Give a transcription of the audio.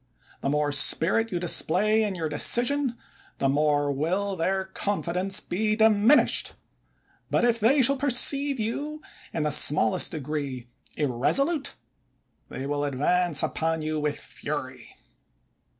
The more spirit you display in your decision, the more will their confidence be diminished ; but if they shall perceive you in the smallest degree irresolute, they will advance upon you with fury.